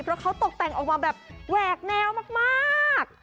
เพราะเขาตกแต่งออกมาแบบแหวกแนวมาก